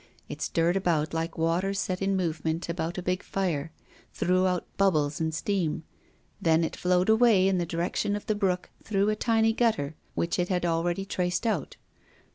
It stirred about like water set in movement above a big fire, threw out bubbles and steam, then it flowed away in the direction of the brook through a tiny gutter which it had already traced out.